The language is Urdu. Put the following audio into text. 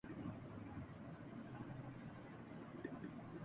انہوں نے کیوں دوسرے صوبوں کے مسائل کو حل نہیں کیا؟